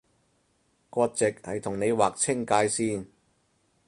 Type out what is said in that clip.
割蓆係同你劃清界線